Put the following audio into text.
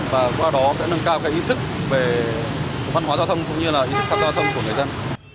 và qua đó sẽ nâng cao cái ý thức về văn hóa giao thông cũng như là ý thức tham gia giao thông của người dân